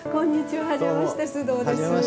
はじめまして須藤です。